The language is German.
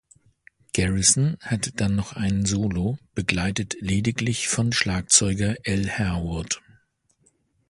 Garrison hat dann noch ein Solo, begleitet lediglich von Schlagzeuger Al Harewood.